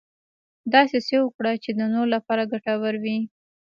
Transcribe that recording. داسې څه وکړه چې د نورو لپاره ګټور وي .